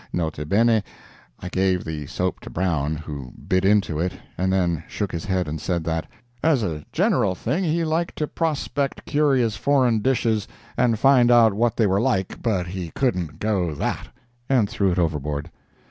(N.B.—I gave the soap to Brown, who bit into it, and then shook his head and said that, "as a general thing, he liked to prospect curious foreign dishes and find out what they were like, but he couldn't go that"—and threw it overboard.)